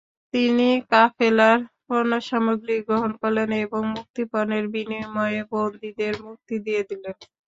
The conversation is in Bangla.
তিনি কাফেলার পণ্যসামগ্রী গ্রহণ করলেন এবং মুক্তিপণের বিনিময়ে বন্দীদের মুক্তি দিয়ে দিলেন।